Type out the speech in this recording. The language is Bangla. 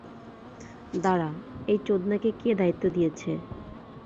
দাঁড়া, এই চোদনাকে কে দায়িত্ব দিয়েছে?